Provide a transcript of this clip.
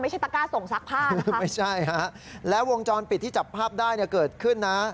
ไม่ใช่ตะก้าส่งซักผ้านะครับไม่ใช่ฮะแล้ววงจรปิดที่จับภาพได้เกิดขึ้นนะ